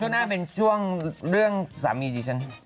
ก็น่าเป็นช่วงเรื่องสามีดิฉัน